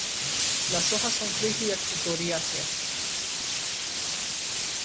Las hojas son rígidas y coriáceas.